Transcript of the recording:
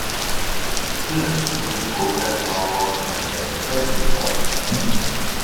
Sinnott's musical background was an extensive one.